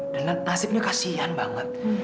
dan nasibnya kasian banget